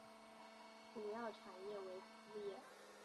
主要产业为服务业。